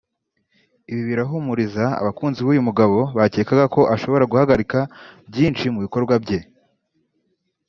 Ibi birahumuriza abakunzi b’uyu mugabo bakekaga ko ashobora guhagarika byinshi mu bikorwa bye